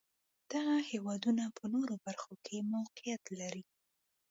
دغه هېوادونه په نورو برخو کې موقعیت لري.